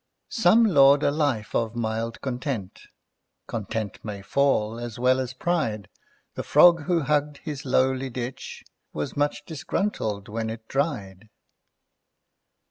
Some laud a life of mild content: Content may fall, as well as Pride. The Frog who hugged his lowly Ditch Was much disgruntled when it dried.